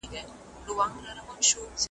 هم یې ځای زړه د اولس وي هم الله لره منظور سي `